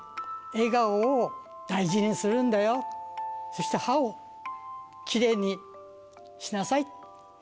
笑顔を大事にするんだよ、そして歯をきれいにしなさい。